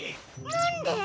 なんで。